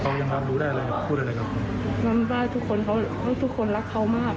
เขายังดอมรู้ได้เลยเรื่องพูดอะไรกับเขามันว่าทุกคนเขาเขาทุกคนรักเขามาก